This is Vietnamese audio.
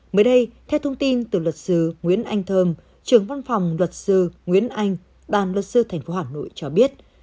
mới đây theo thông tin từ luật sư nguyễn anh thơm trưởng văn phòng luật sư nguyễn anh đoàn luật sư tp hà nội cho biết